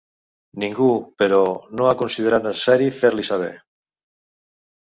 Ningú, però, no ha considerat necessari fer-l'hi saber.